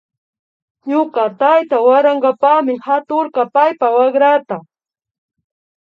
Ñuka tayta warankapami haturka paypa wakrata